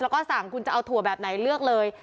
แล้วก็สั่งคุณจะเอาถั่วแบบไหนเลือกเลย